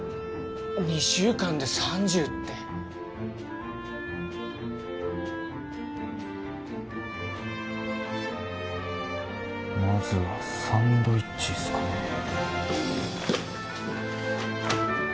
２週間で３０ってまずはサンドイッチっすかね